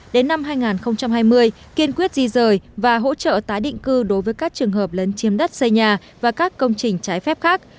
đến năm hai nghìn hai mươi kiên quyết di rời và hỗ trợ tái định cư đối với các trường hợp lấn chiếm đất xây nhà và các công trình trái phép khác